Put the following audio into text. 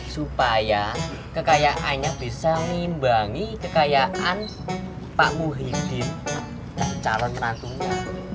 supaya kekayaannya bisa memimbangi kekayaan pak muhyiddin dan calon menantunya